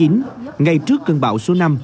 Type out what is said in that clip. ngay trước cơn bão số năm